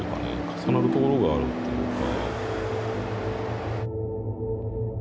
重なるところがあるっていうか。